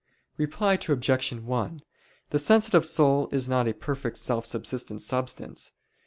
Reply Obj. 1: The sensitive soul is not a perfect self subsistent substance.